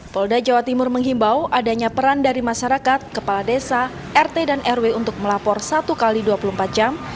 polda jawa timur menghimbau adanya peran dari masyarakat kepala desa rt dan rw untuk melapor satu x dua puluh empat jam